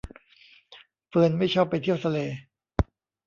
เฟิร์นไม่ชอบไปเที่ยวทะเล